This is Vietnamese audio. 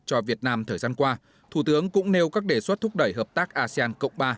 cho việt nam thời gian qua thủ tướng cũng nêu các đề xuất thúc đẩy hợp tác asean cộng ba